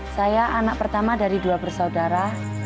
saya anak pertama dari dua bersaudara